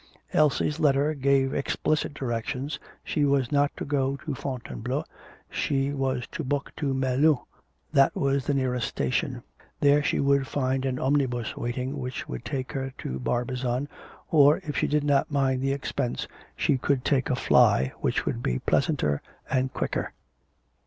Elsie's letter gave explicit directions, she was not to go to Fontainebleau, she was to book to Melun, that was the nearest station, there she would find an omnibus waiting, which would take her to Barbizon, or, if she did not mind the expense, she could take a fly which would be pleasanter and quicker.